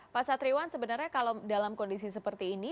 pak satriwan sebenarnya kalau dalam kondisi seperti ini